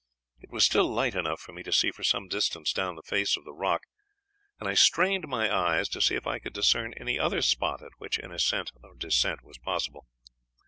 It was still light enough for me to see for some distance down the face of the rock, and I strained my eyes to see if I could discern any other spot at which an ascent or descent was possible.